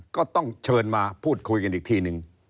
ก็ต้องเชิญมาพูดคุยกันอีกทีนึง